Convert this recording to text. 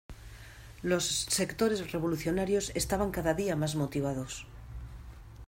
Los sectores revolucionarios estaban cada día más motivados.